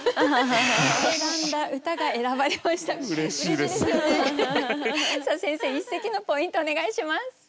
さあ先生一席のポイントお願いします。